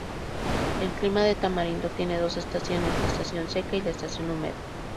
El clima de Tamarindo tiene dos estaciones, la estación seca y la estación húmeda.